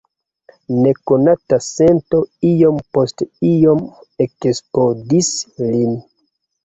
Nekonata sento iom post iom ekposedis lin.